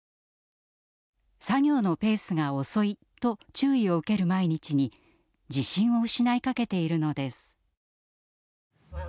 作業のペースが遅いと注意を受ける毎日に自信を失いかけているのです。